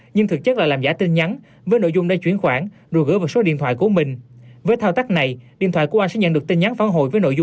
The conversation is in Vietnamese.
nhưng thực chất là làm giả tin nhắn với nội dung đây chuyển khoản rồi gửi vào số điện thoại của mình